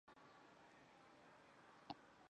混合以后的物质的总体称作混合物。